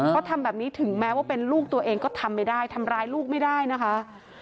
เพราะทำแบบนี้ถึงแม้ว่าเป็นลูกตัวเองก็ทำไม่ได้ทำร้ายลูกไม่ได้นะคะ